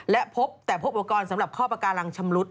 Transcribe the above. และพบแต่พบอุปกรณ์สำหรับข้อปากการังชำรุด